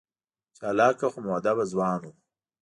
چالاکه خو مودبه ځوان و.